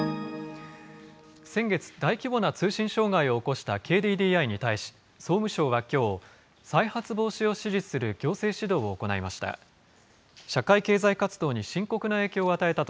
先月、大規模な通信障害を起こしたＫＤＤＩに対し、総務省はきょう、再発防止を指示する行政指導を行いました。